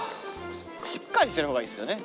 しっかりしてる方がいいっすよね